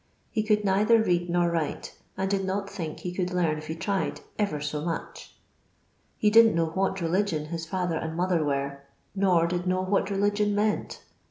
He could neither read nor write, and did not think he could learn if he tried " ever so much." He didn't know what religion his father and mother were, nor did know what religion meant.